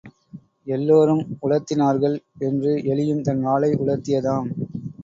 எல்லாரும் உலர்த்தினார்கள் என்று எலியும் தன் வாலை உலர்த்தியதாம்.